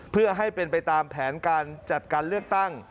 เพื่อให้เป็นไปตามแผนการจัดการเลือกตั้ง